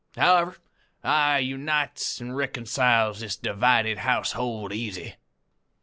However, I unites an' reeconciles this divided household easy.'